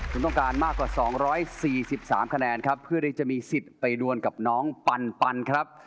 คุณต้องการมากกว่า๒๔๓คะแนนครับเพื่อที่จะมีสิทธิ์ไปดวนกับน้องปันครับ